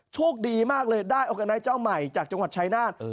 โชคดีมากเลยได้ออร์กาไนท์เจ้าใหม่จากจังหวัดชายนาฏ